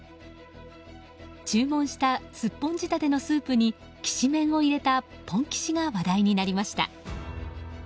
注文したスッポン仕立てのスープにきしめんを入れたぽんきしが話題になりました。